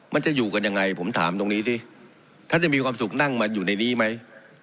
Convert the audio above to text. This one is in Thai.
มันจะอยู่กันยังไงผมถามตรงนี้สิท่านจะมีความสุขนั่งมันอยู่ในนี้ไหม